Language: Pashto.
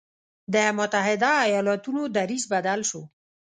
د متحدو ایالتونو دریځ بدل شو.